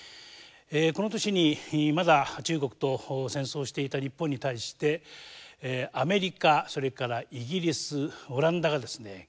この年にまだ中国と戦争をしていた日本に対してアメリカそれからイギリスオランダが経済制裁を強めてまいります。